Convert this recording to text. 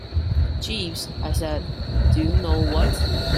"Jeeves," I said, "do you know what?"